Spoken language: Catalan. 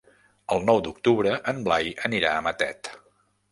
El nou d'octubre en Blai anirà a Matet.